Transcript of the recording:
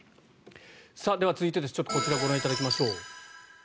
では続いてこちらをご覧いただきましょう。